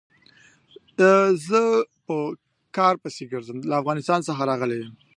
زه په کار پسې ګرځم، له افغانستان څخه راغلی يم.